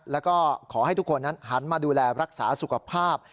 แล้วก็ขอให้ทุกคนนั้นหันมาดูแลรักษาสุขภาพ